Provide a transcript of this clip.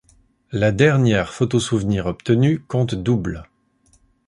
La dernière photo-souvenir obtenue compte double.